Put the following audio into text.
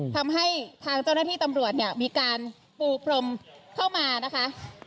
ทำให้ทางเจ้าหน้าที่ตำรวจเนี่ยมีการปูพรมเข้ามานะคะ